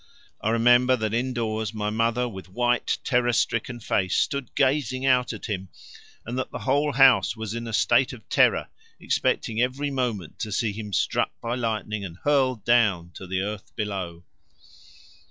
I remember that indoors my mother with white terror stricken face stood gazing out at him, and that the whole house was in a state of terror, expecting every moment to see him struck by lightning and hurled down to the earth below.